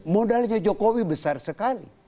modalnya jokowi besar sekali